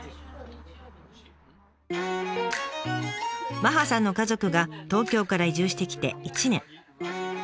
麻葉さんの家族が東京から移住してきて１年。